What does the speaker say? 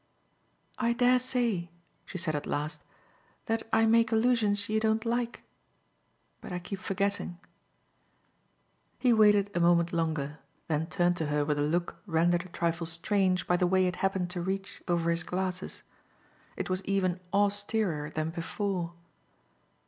"I dare say," she said at last, "that I make allusions you don't like. But I keep forgetting." He waited a moment longer, then turned to her with a look rendered a trifle strange by the way it happened to reach over his glasses. It was even austerer than before.